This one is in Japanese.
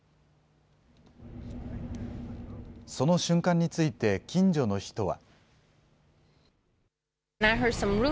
その瞬間について、近所の人は。